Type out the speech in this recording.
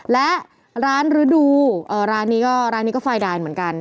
และร้านฤดูร้านนี้ก็ไฟล์ดายนเหมือนกัน